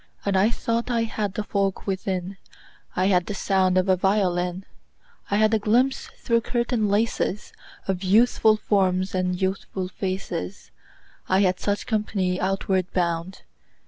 And I thought I had the folk within: I had the sound of a violin; I had a glimpse through curtain laces Of youthful forms and youthful faces. I had such company outward bound.